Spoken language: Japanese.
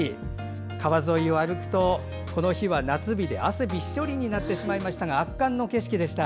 川沿いを歩くとこの日は夏日で汗びっしょりになってしまいましたが圧巻の景色でした。